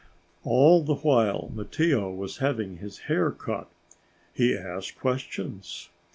All the while Mattia was having his hair cut, he asked questions.